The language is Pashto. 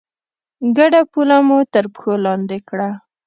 ګډه پوله مو تر پښو لاندې کړه.